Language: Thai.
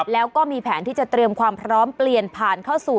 แล้วก็มีแผนที่จะเตรียมความพร้อมเปลี่ยนผ่านเข้าสู่